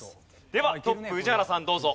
ではトップ宇治原さんどうぞ。